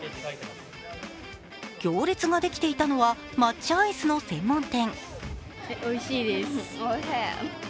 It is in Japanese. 行列ができていたのは抹茶アイスの専門店。